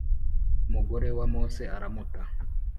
umugore wa Mose aramuta